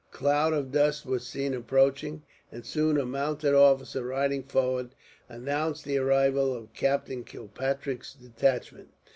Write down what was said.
A cloud of dust was seen approaching, and soon a mounted officer, riding forward, announced the arrival of Captain Kilpatrick's detachment.